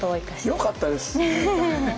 よかったです！